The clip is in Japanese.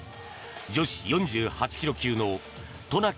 女子４８ｋｇ級の渡名喜